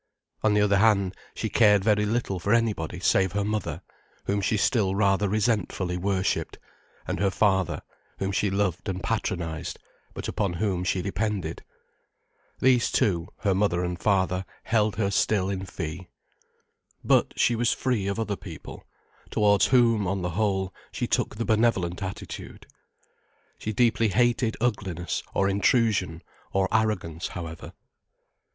On the other hand, she cared very little for anybody save her mother, whom she still rather resentfully worshipped, and her father, whom she loved and patronized, but upon whom she depended. These two, her mother and father, held her still in fee. But she was free of other people, towards whom, on the whole, she took the benevolent attitude. She deeply hated ugliness or intrusion or arrogance, however.